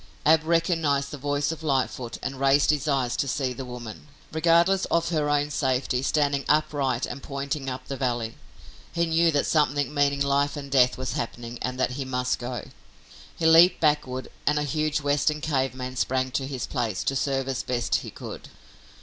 Ab recognized the voice of Lightfoot and raised his eyes to see the woman, regardless of her own safety, standing upright and pointing up the valley. He knew that something meaning life and death was happening and that he must go. He leaped backward and a huge Western cave man sprang to his place, to serve as best he could.